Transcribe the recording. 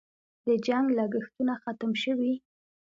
د جنګ لګښتونه ختم شوي؟